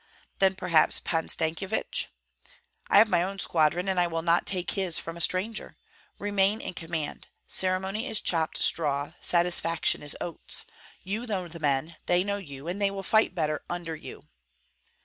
"Then perhaps Pan Stankyevich?" "I have my own squadron, and I will not take his from a stranger. Remain in command; ceremony is chopped straw, satisfaction is oats! You know the men, they know you, and they will fight better under you."